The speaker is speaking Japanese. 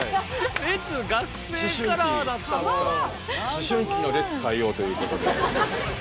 思春期の烈海王ということで。